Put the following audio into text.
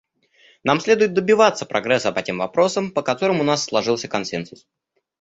Нам следует добиваться прогресса по тем вопросам, по которым у нас сложился консенсус.